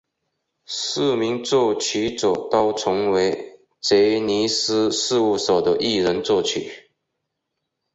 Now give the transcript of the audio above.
四名作曲者都曾为杰尼斯事务所的艺人作曲。